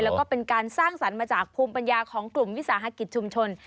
แล้วก็เป็นการสร้างสรรค์มาจากภูมิปัญญาของกลุ่มวิสาหกิจชุมชน